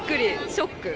ショック。